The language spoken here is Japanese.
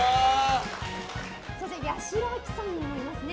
八代亜紀さんもいますね。